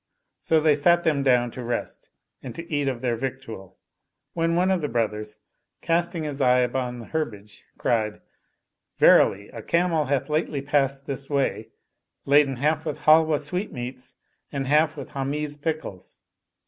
So they sat them down to rest and to eat of their victual, when one of the brothers, casting his eye upon the herbage, cried," Verily a camel hath lately passed this way laden half with Halwa sweetmeats and half with Hamiz pickles."